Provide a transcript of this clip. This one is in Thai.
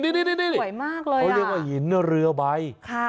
สวยมากเลยล่ะเขาเรียกว่าหินเรือใบค่ะ